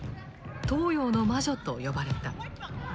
東洋の魔女と呼ばれた。